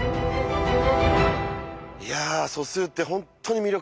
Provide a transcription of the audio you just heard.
いや素数って本当に魅力的だなあ。